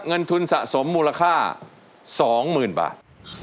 เงินทุนสะสมมูลค่า๒๐๐๐๐บาท